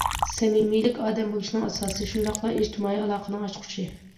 سەمىمىيلىك ئادەم بولۇشنىڭ ئاساسى، شۇنداقلا ئىجتىمائىي ئالاقىنىڭ ئاچقۇچى.